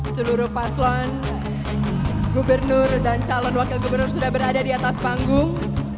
seluruh paslon gubernur dan calon wakil gubernur sudah berada di atas panggung